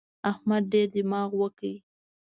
احمد ډېر دماغ وکړ.